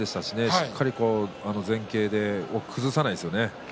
しっかり前傾姿勢で崩さないですね。